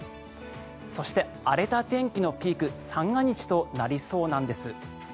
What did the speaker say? そして、荒れた天気のピーク三が日となりそうなんです。